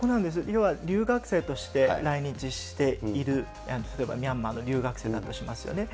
要は留学生として来日している、例えばミャンマーの留学生だとしますよね。